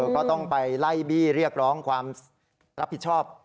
ก็ต้องไปไล่บี้เรียกร้องความรับผิดชอบ